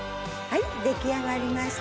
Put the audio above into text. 出来上がりました。